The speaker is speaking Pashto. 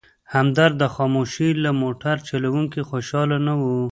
همدرد د خاموش له موټر چلونې خوشحاله نه و.